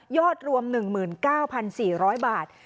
ยอดรวม๑๙๔๐๐บาท